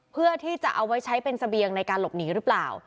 เพื่อที่จะเอาไว้ใช้เป็นเสบียงในการหลบหนีหรือเปล่า